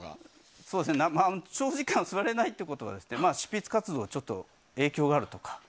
長時間座れないってことは執筆活動にちょっと影響があるとか。